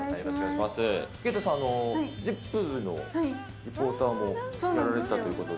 井桁さん、ＺＩＰ！のリポーターもやられてたということで。